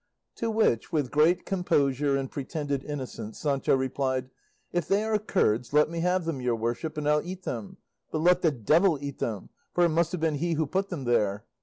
To which, with great composure and pretended innocence, Sancho replied, "If they are curds let me have them, your worship, and I'll eat them; but let the devil eat them, for it must have been he who put them there.